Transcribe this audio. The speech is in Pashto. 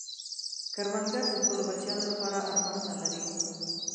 کروندګر د خپلو بچیانو لپاره ارمانونه لري